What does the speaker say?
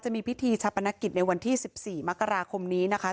มีพิธีชาปนกิจในวันที่๑๔มกราคมนี้นะคะ